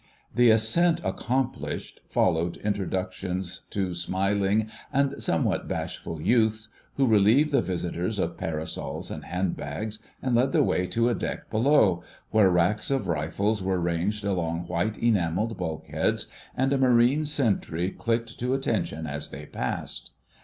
The ascent accomplished, followed introductions to smiling and somewhat bashful youths, who relieved the visitors of parasols and handbags, and led the way to a deck below, where racks of rifles were ranged along white enamelled bulkheads, and a Marine sentry clicked to attention as they passed.